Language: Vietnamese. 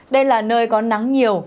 đây là nơi có nắng nhiều